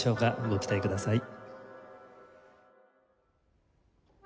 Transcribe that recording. ご期待ください。